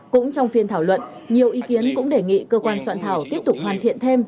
cũng trong phiên thảo luận nhiều ý kiến cũng đề nghị cơ quan soạn thảo tiếp tục hoàn thiện thêm